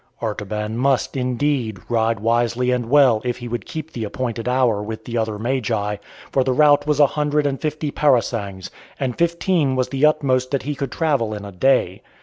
Artaban must indeed ride wisely and well if he would keep the appointed hour with the other Magi; for the route was a hundred and fifty parasangs, and fifteen was the utmost that he could travel in a day.